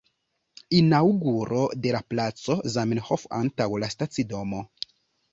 Inaŭguro de la placo Zamenhof antaŭ la stacidomo.